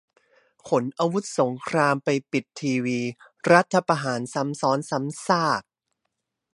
ขนอาวุธสงครามไปปิดทีวี รัฐประหารซ้ำซ้อนซ้ำซาก